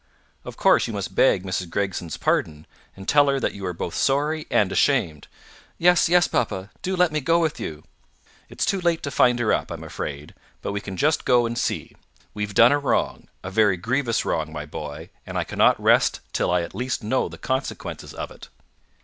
"Of course you must beg Mrs. Gregson's pardon, and tell her that you are both sorry and ashamed." "Yes, yes, papa. Do let me go with you." "It's too late to find her up, I'm afraid; but we can just go and see. We've done a wrong, a very grievous wrong, my boy, and I cannot rest till I at least know the consequences of it."